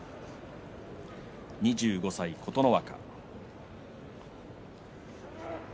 ２５歳の琴ノ若。